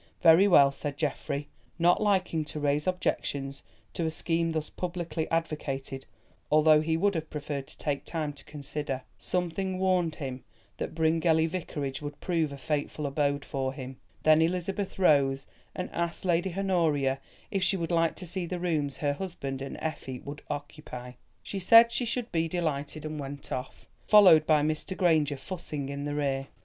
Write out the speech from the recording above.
"Very well," said Geoffrey, not liking to raise objections to a scheme thus publicly advocated, although he would have preferred to take time to consider. Something warned him that Bryngelly Vicarage would prove a fateful abode for him. Then Elizabeth rose and asked Lady Honoria if she would like to see the rooms her husband and Effie would occupy. She said she should be delighted and went off, followed by Mr. Granger fussing in the rear.